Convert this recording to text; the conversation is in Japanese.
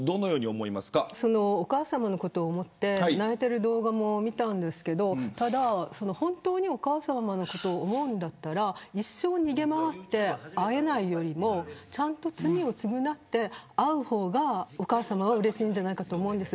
お母さんのことを思って泣いている動画も見ましたが本当にお母さまのことを思うなら一生逃げ回って会えないよりも罪を償って会う方がお母さまはうれしいんじゃないかと思います。